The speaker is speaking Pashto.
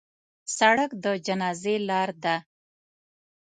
سړک د جنازې لار ده.